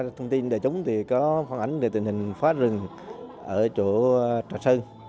thông tin đề chúng có phản ánh về tình hình phá rừng ở chỗ trà sơn